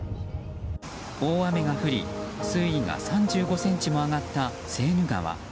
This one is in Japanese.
大雨が降り、水位が３５ｃｍも上がったセーヌ川。